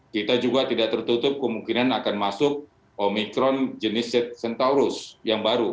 kita juga tidak tertutup kemungkinan akan masuk omikron jenis centaurus yang baru